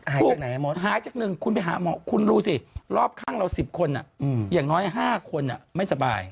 หายจากไหนทั้งหมดหายจากหนึ่งคุณไปหาหมอคุณรู้สิรอบครั้งเรา๑๐คนอะอย่างน้อย๕คนอะไม่สบาย